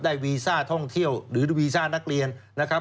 วีซ่าท่องเที่ยวหรือวีซ่านักเรียนนะครับ